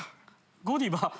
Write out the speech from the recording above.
ゴディバ？